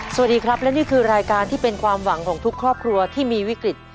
สวัสดีครับและนี่คือรายการที่เป็นความหวังของทุกครอบครัวที่มีวิกฤต